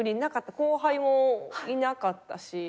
後輩もいなかったし。